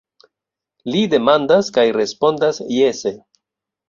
Li demandas – kaj respondas jese.